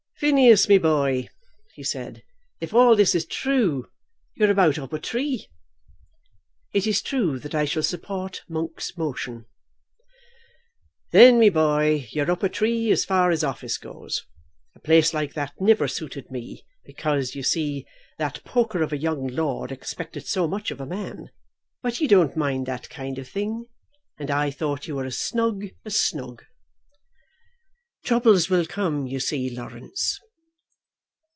"Phineas, me boy," he said, "if all this is thrue, you're about up a tree." "It is true that I shall support Monk's motion." "Then, me boy, you're up a tree as far as office goes. A place like that niver suited me, because, you see, that poker of a young lord expected so much of a man; but you don't mind that kind of thing, and I thought you were as snug as snug." "Troubles will come, you see, Laurence."